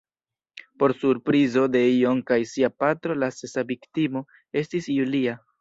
Por surprizo de John kaj sia patro la sesa viktimo estis Julia.